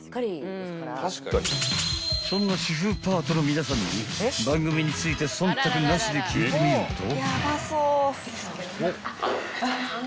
［そんな主婦パートの皆さんに番組について忖度なしで聞いてみると］